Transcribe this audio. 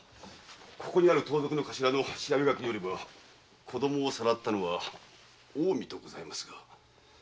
ここにある盗賊の頭の調べ書きによれば子供をさらったのは「近江」とございますが。